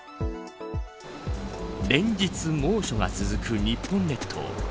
連日、猛暑が続く日本列島。